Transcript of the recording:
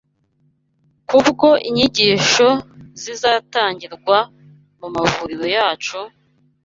Kubwo inyigisho zizatangirwa mu mavuriro yacu,